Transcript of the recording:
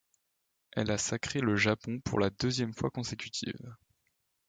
Elle a sacré le Japon pour la deuxième fois consécutive.